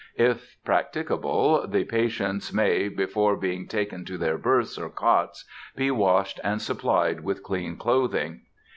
If practicable, the patients may, before being taken to their berths or cots, be washed and supplied with clean clothing.